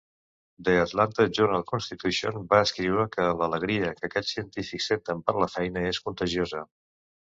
"The Atlanta Journal-Constitution" va escriure que "l'alegria que aquests científics senten per la feina és contagiosa".